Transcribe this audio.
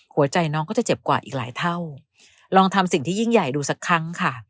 หัวใจน้องก็จะเจ็บกว่าอีกหลายเท่าลองทำสิ่งที่ยิ่งใหญ่ดูสักครั้งค่ะ